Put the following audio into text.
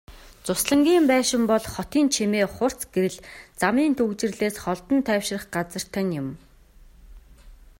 Зуслангийн байшин бол хотын чимээ, хурц гэрэл, замын түгжрэлээс холдон тайвшрах газар тань юм.